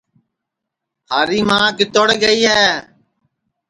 تھاری ماں کیتوڑ گئی ہے